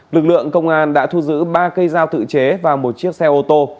lực lượng công an đã thu giữ ba cây dao tự chế và một chiếc xe ô tô